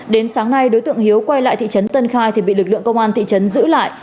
đến sáng nay đối tượng hiếu quay lại thị trấn tân khai thì bị lực lượng công an thị trấn giữ lại